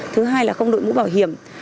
thứ hai là không đội mũ bảo hiểm